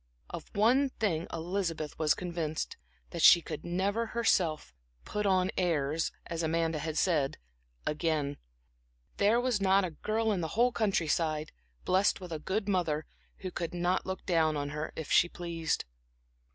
Of one thing Elizabeth was convinced, that she could never herself "put on airs" as Amanda had said, again; there was not a girl in the whole countryside, blessed with a good mother, who could not look down on her, if she pleased.